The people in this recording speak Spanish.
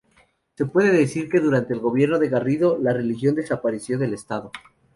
Se puede decir que durante el gobierno de Garrido la religión desapareció del estado.